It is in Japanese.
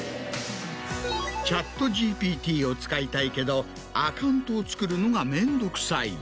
ＣｈａｔＧＰＴを使いたいけどアカウントを作るのが面倒くさい。